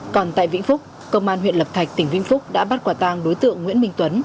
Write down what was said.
còn tại vĩnh phúc công an huyện lập thạch tỉnh vĩnh phúc đã bắt quả tang đối tượng nguyễn minh tuấn